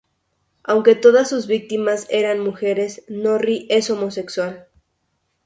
Aunque todas sus víctimas eran mujeres, Norris es homosexual.